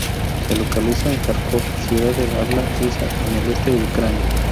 Se localiza en Járkov, ciudad de habla rusa en el este de Ucrania.